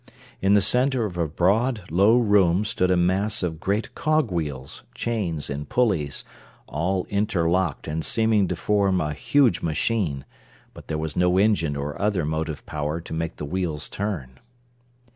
In the center of a broad, low room, stood a mass of great cog wheels, chains and pulleys, all interlocked and seeming to form a huge machine; but there was no engine or other motive power to make the wheels turn.